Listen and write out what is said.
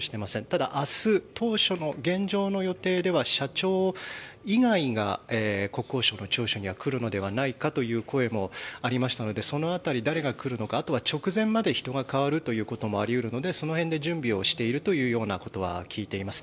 ただ明日、当初の現状の予定では社長以外が国交省の聴取に来るのではないかという声もありましたのでその辺り、誰が来るのかあとは直前まで人が代わるということもあり得るのでその辺で準備をしているというようなことは聞いています。